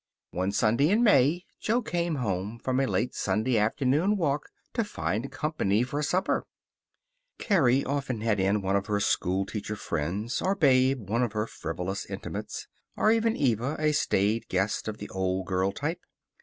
One Sunday in May Jo came home from a late Sunday afternoon walk to find company for supper. Carrie often had in one of her schoolteacher friends, or Babe one of her frivolous intimates, or even Eva a staid guest of the old girl type.